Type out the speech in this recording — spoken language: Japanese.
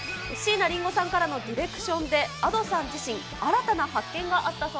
椎名林檎さんからのディレクションでＡｄｏさん自身、新たな発見があっ